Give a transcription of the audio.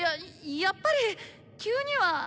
やっぱり急には。